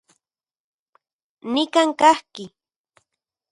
Nikan kajki.